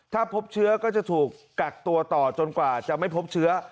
ถ้าพบเชื้อก็จะถูกกักตัวต่อจนกว่าจะไม่พบเชื้อ